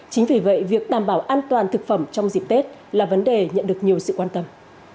chính vì vậy việc đảm bảo an toàn thực phẩm trong dịp tết là vấn đề nhận được nhiều sự quan tâm